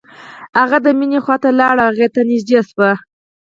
هغه د مينې خواته لاړ او هغې ته نږدې شو.